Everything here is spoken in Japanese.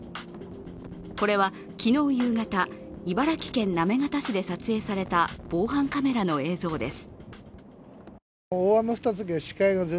これは昨日夕方、茨城県行方市で撮影された防犯カメラの映像です。